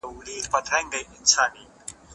ږغ واوره؟!